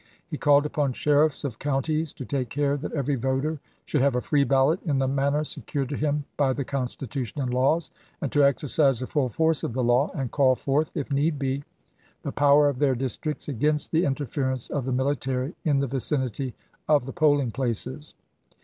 He called upon sheriffs of counties to take care that every voter should have a free ballot in the manner se cured to him by the constitution and laws, and to exercise the full force of the law and call forth, if need be, the power of their districts against the interference of the military in the vicinity of the polling places.